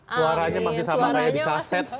suaranya masih sama kayak di kaset